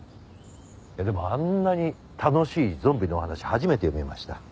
でもあんなに楽しいゾンビのお話初めて読みました。